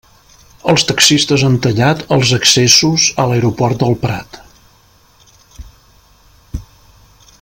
Els taxistes han tallat els accessos a l'aeroport del Prat.